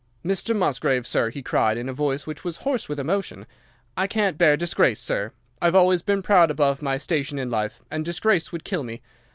"'"Mr. Musgrave, sir," he cried, in a voice which was hoarse with emotion, "I can't bear disgrace, sir. I've always been proud above my station in life, and disgrace would kill me.